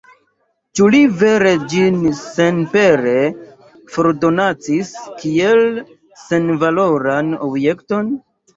Ĉu li vere ĝin senpere fordonacis, kiel senvaloran objekton?